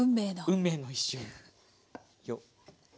運命の一瞬。